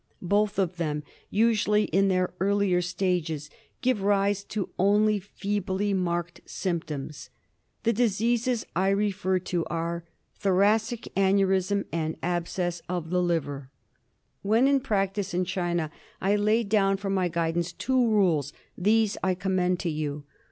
Both of them, usually, in their earlier stages give rise to only feebly marked symptoms. The diseases I refer to are thoracic aneurism, and abscess of the liver. When in practice in China I laid down for my guidance two rules ; these I commend to you.